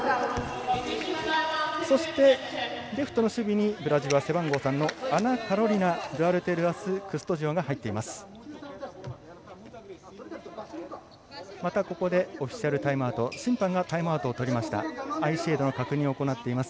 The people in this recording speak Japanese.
そしてレフトの守備にブラジルは背番号３のアナカロリナ・ドゥアルテルアスクストジオです。